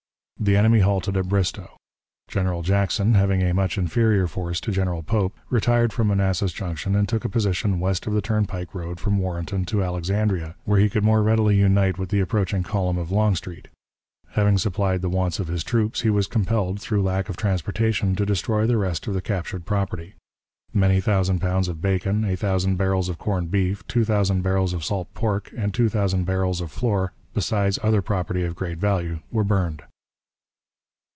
The enemy halted at Bristoe. General Jackson, having a much inferior force to General Pope, retired from Manassas Junction and took a position west of the turnpike road from Warrenton to Alexandria, where he could more readily unite with the approaching column of Longstreet. Having supplied the wants of his troops, he was compelled, through lack of transportation, to destroy the rest of the captured property. Many thousand pounds of bacon, a thousand barrels of corned beef, two thousand barrels of salt pork, and two thousand barrels of floor, besides other property of great value, were burned.